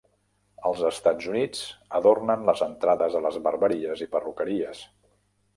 Als Estats Units adornen les entrades a les barberies i perruqueries.